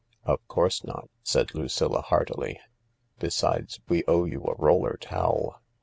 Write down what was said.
" Of course not," said Lucilla heartily ;" besides, we owe you a roller towel.